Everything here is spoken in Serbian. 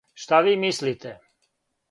Шта ви мислите?